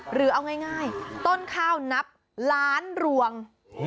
หรือเอาง่ายต้นข้าวนับล้านรวง